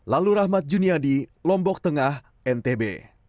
lalu rahmat juniadi lombok tengah ntb